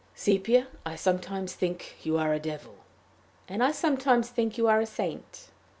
"Sepia, I sometimes think you are a devil." "And I sometimes think you are a saint."